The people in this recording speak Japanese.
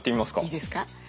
いいですか。